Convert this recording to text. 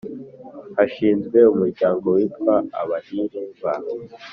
Hashinzwe Umuryango witwa Abahire ba